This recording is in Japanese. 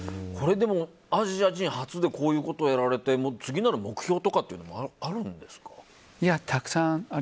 アジア人初でこういうことをやられて次なる目標とかはあるんですか？